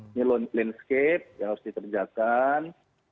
ini landscape yang harus dikerjakan